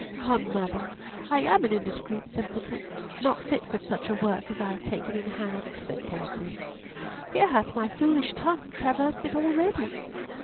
"Ah! mother, I am an indiscreet simpleton, not fit for such a work as I have taken in hand," said poor Cis. "Here hath my foolish tongue traversed it already!"